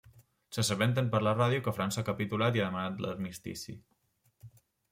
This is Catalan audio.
S'assabenten per la ràdio que França ha capitulat i ha demanat l'armistici.